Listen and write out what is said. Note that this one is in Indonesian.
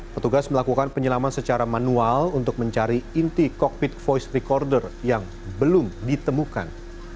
petugas melakukan penyelaman secara manual untuk mencari inti kokpit voice recorder yang belum ditemukan